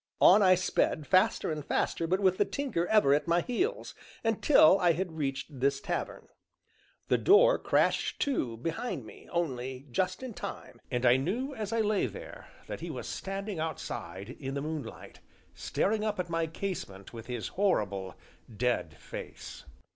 On I sped faster and faster, but with the Tinker ever at my heels, until I had reached this tavern; the door crashed to, behind me, only just in time, and I knew, as I lay there, that he was standing outside, in the moonlight, staring up at my casement with his horrible, dead face.